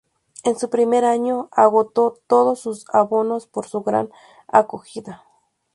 En su primer año agotó todos sus abonos por su gran acogida.